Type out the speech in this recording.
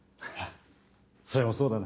それもそうだね。